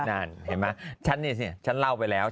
เห็นไหมฉันเนี่ยฉันเล่าไปแล้ว